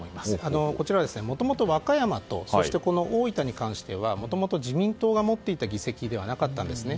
もともと和歌山と大分に関してはもともと自民党が持っていた議席ではなかったんですね。